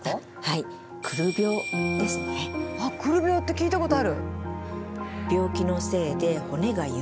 「くる病」って聞いたことある。